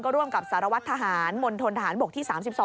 ร่วมกับสารวัตรทหารมณฑนทหารบกที่๓๒